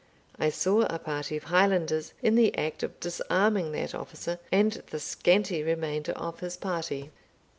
I saw a party of Highlanders in the act of disarming that officer, and the scanty remainder of his party.